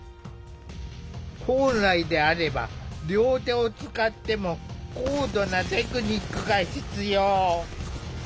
本来であれば両手を使っても高度なテクニックが必要。